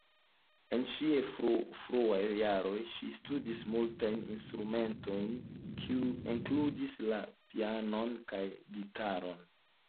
En ŝiaj fruaj jaroj ŝi studis multajn instrumentojn, kiuj inkludis la pianon kaj gitaron.